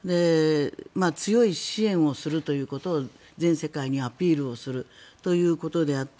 強い支援をするということを全世界にアピールをするということであって